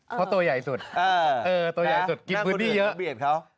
เพราะตัวใหญ่สุดเออเออตัวใหญ่สุด